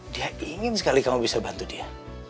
dia ingin sekali kamu bisa bantu dia